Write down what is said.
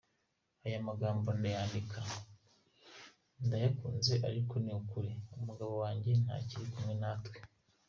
Aya magambo ndayandika ntayakunze ariko ni ukuri, umugabo wanjye ntakiri kumwe natwe.